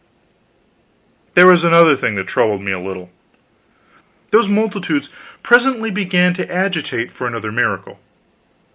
There was another thing that troubled me a little. Those multitudes presently began to agitate for another miracle.